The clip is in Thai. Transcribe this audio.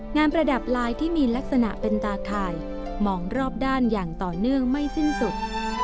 ประดับลายที่มีลักษณะเป็นตาข่ายมองรอบด้านอย่างต่อเนื่องไม่สิ้นสุด